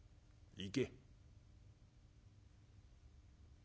行け」。